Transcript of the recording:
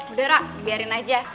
udah ra dibiarin aja